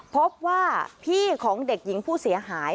พบว่าพี่ของเด็กหญิงผู้เสียหาย